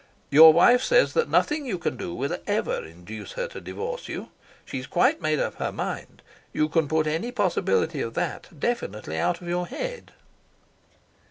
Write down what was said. "Your wife says that nothing you can do will ever induce her to divorce you. She's quite made up her mind. You can put any possibility of that definitely out of your head."